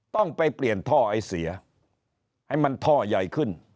ต้องไปเปลี่ยนท่อไอเสียให้มันท่อใหญ่ขึ้น